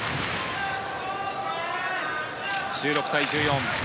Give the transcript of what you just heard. １６対１４。